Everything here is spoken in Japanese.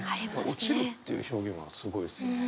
「落ちる」っていう表現はすごいですよね。